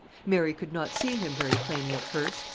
Mary could not see him very plainly at first.